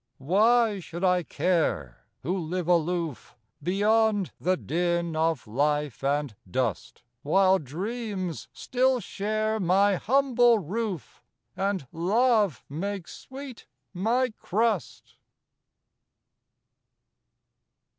_ _Why should I care, who live aloof, Beyond the din of life and dust, While dreams still share my humble roof, And love makes sweet my crust?